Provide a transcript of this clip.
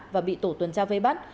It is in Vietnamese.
và bị tổ tuần tra vây bắt